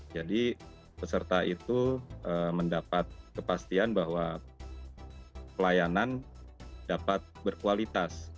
jadi peserta itu mendapat kepastian bahwa pelayanan dapat berkualitas